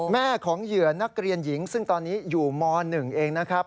แม่ของเหยื่อนักเรียนหญิงซึ่งตอนนี้อยู่ม๑เองนะครับ